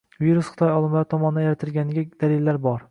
virus Xitoy olimlari tomonidan yaratilganiga dalillar bor.